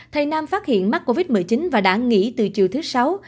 thầy nam phát hiện mắc covid một mươi chín và đã nghỉ từ chiều thứ sáu